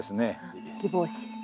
ギボウシ。